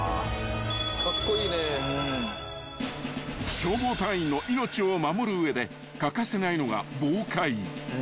［消防隊員の命を守る上で欠かせないのが防火衣］